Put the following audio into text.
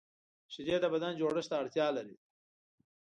شیدې د بدن جوړښت ته اړتیا لري